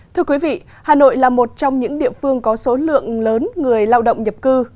thưa quý vị hà nội là một trong những địa phương có số lượng lớn người lao động nhập cư